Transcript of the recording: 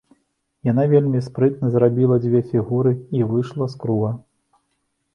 Яна вельмі спрытна зрабіла дзве фігуры і выйшла з круга.